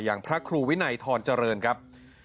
อย่างพระครูวินัยธรณ์เจริญครับ